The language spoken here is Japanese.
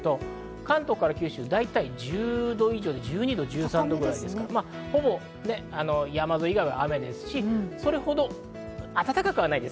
関東から九州、だいたい１０度以上、１２１３度、ほぼ山沿い以外は雨ですし、それほど暖かくはないです。